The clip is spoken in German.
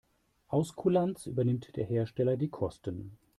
Aus Kulanz übernimmt der Hersteller die Kosten.